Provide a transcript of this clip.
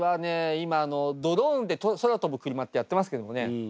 今あのドローンで空飛ぶクルマってやってますけどもね。